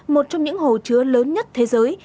một trong những hồ chứa lớn nhất thế giới